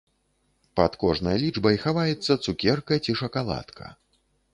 Пад кожнай лічбай хаваецца цукерка ці шакаладка.